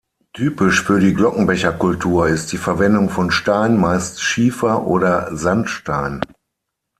Typisch für die Glockenbecherkultur ist die Verwendung von Stein, meist Schiefer oder Sandstein.